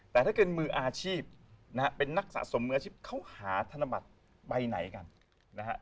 แต่ถ้าเป็นมืออาชีพนะฮะเป็นนักสะสมมืออาชีพเขาหาธนบัตรใบไหนกันนะฮะ